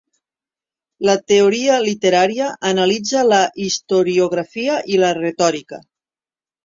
La teoria literària analitza la historiografia i la retòrica.